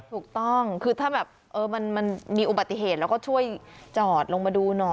ถูกต้องคือถ้าแบบมันมีอุบัติเหตุเราก็ช่วยจอดลงมาดูหน่อย